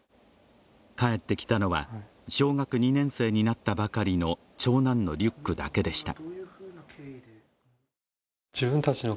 帰ってきたのは小学２年生になったばかりの長男のリュックだけでした。